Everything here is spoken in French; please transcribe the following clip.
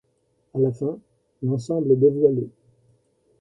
À la fin, l'ensemble est dévoilé.